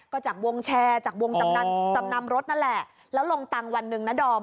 ก็จากวงแชร์จากวงจำนำรถนั่นแหละแล้วลงตังค์วันหนึ่งนะดอม